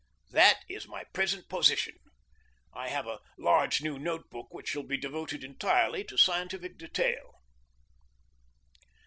That is my present position. I have a large new note book which shall be devoted entirely to scientific detail.